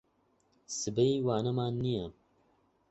سبەی وانەمان نییە.